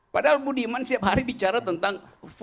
padahal bu diman setiap hari bicara tentang empat